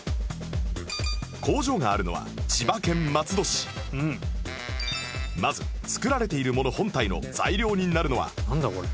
工場があるのはまず作られているもの本体の材料になるのは